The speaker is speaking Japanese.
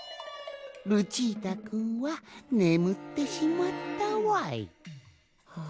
ルチータくんはねむってしまったわい。